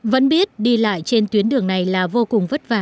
vẫn biết đi lại trên tuyến đường này là vô cùng vất vả